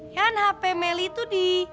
kan hape meli tuh di